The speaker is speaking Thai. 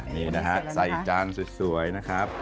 นี่นะฮะใส่จานสวยนะครับ